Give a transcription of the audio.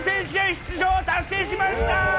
出場達成しました。